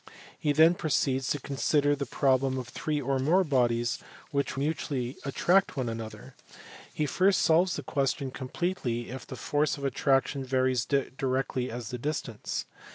He then proceeds to consider the problem of three or more bodies which mutually attract one another. He first solves the question completely if the force of attraction varies directly as the distance.